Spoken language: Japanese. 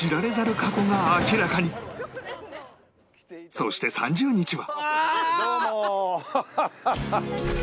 そして３０日は